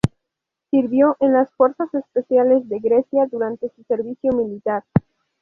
Sirvió en las Fuerzas Especiales de Grecia durante su servicio militar.